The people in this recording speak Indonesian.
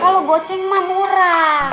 kalau goceng mah murah